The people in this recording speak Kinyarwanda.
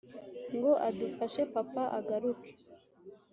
ngo adufashe papa agaruke